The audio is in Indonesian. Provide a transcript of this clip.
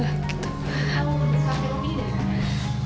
dari temen ngajak video